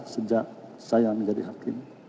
sejak saya menjadi hakim